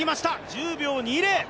１０秒２０！